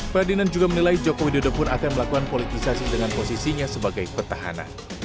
ferdinand juga menilai joko widodo pun akan melakukan politisasi dengan posisinya sebagai petahana